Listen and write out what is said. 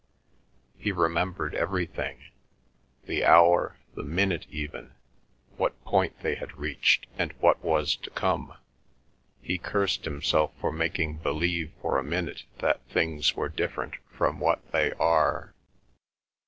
He remembered everything, the hour, the minute even, what point they had reached, and what was to come. He cursed himself for making believe for a minute that things were different from what they are.